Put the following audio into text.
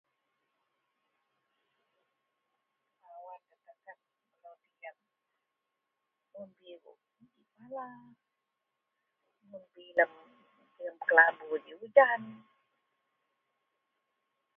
not clear too soft